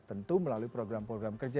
tentu melalui program program kerja